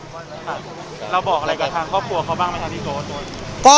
เราบอกอะไรกับทางครอบครัวเขาบ้างไหมครับพี่โก